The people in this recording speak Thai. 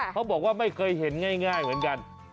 เขาบอกว่าไม่เคยเห็นง่ายเหมือนกัน